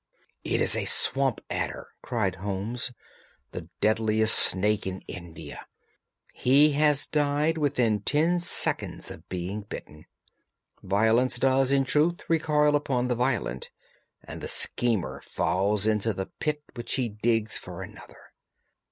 "It is a swamp adder!" cried Holmes; "the deadliest snake in India. He has died within ten seconds of being bitten. Violence does, in truth, recoil upon the violent, and the schemer falls into the pit which he digs for another.